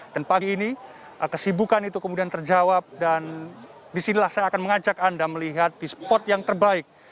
dan pagi ini kesibukan itu kemudian terjawab dan disinilah saya akan mengajak anda melihat di spot yang terbaik